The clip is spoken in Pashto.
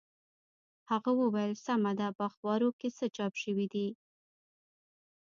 هغه وویل سمه ده په اخبارو کې څه چاپ شوي دي.